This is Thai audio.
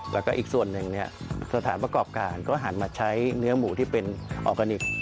แล้วก็อีกส่วนหนึ่งสถานประกอบการก็หันมาใช้เนื้อหมูที่เป็นออร์แกนิค